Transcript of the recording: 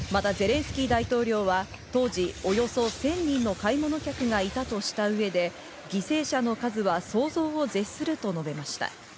またゼレンスキー大統領は当時、およそ１０００人の買い物客がいたとした上で、犠牲者の数は想像を絶すると述べました。